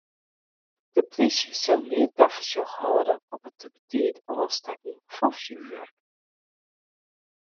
De polysje sil mear tafersjoch hâlde op it te betiid ôfstekken fan fjurwurk.